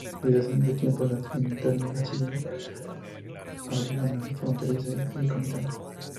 Desde hace mucho tiempo La Trinitaria ha sido la aduana fronteriza de Comitán.